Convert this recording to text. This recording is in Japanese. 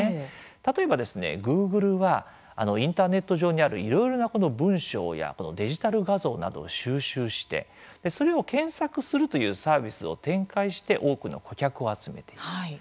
例えばですね、グーグルはインターネット上にあるいろいろな文章やデジタル画像などを収集してそれを検索するというサービスを展開して多くの顧客を集めています。